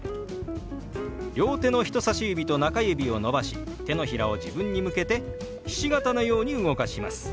両手の人さし指と中指を伸ばし手のひらを自分に向けてひし形のように動かします。